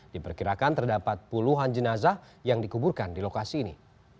diperkirakan terdapat puluhan jenazah yang dikuburkan di lokasi ini